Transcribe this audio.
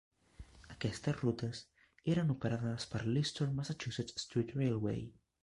Aquestes rutes eren operades per l'Eastern Massachusetts Street Railway.